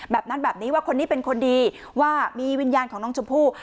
แบบนั้นแบบนี้ว่าคนนี้เป็นคนดีว่ามีวิญญาณของน้องชมพู่